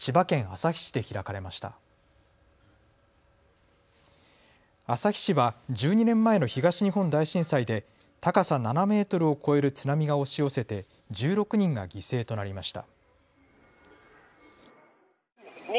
旭市は１２年前の東日本大震災で高さ７メートルを超える津波が押し寄せて１６人が犠牲となりました。